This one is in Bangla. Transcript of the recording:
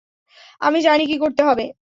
আমি জানি কী করতে হবে।